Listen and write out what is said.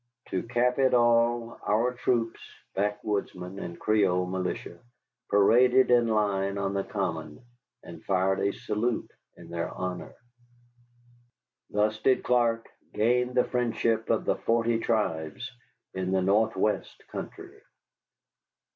To cap it all our troops, backwoodsmen and Creole militia, paraded in line on the common, and fired a salute in their honor. Thus did Clark gain the friendship of the forty tribes in the Northwest country.